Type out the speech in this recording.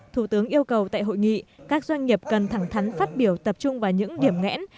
thủ tướng yêu cầu tại hội nghị các doanh nghiệp cần thẳng thắn phát biểu tập trung vào những điểm ngẽn